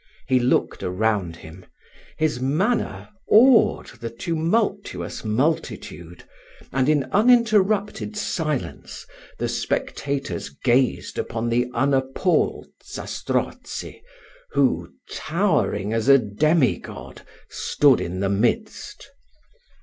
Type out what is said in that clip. He looked around him. His manner awed the tumultuous multitude; and, in uninterrupted silence, the spectators gazed upon the unappalled Zastrozzi, who, towering as a demi god, stood in the midst.